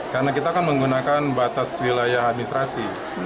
karena kita kan menggunakan batas wilayah administrasi